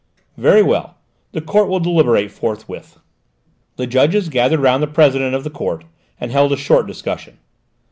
"Very well. The Court will deliberate forthwith." The judges gathered round the President of the Court, and held a short discussion.